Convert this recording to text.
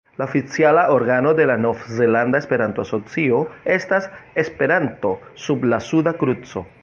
La oficiala organo de la Nov-Zelanda Esperanto-Asocio estas "Esperanto sub la Suda Kruco".